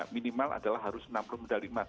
minimal adalah harus enam puluh medali emas